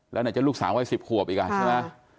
แล้วไหนจะลูกสาววัย๑๐ขวบอีกอ่ะใช่ไหม